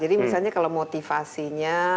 jadi misalnya kalau motivasinya